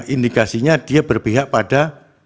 indikasinya dia berpihak pada